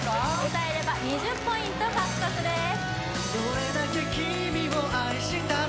歌えれば２０ポイント獲得です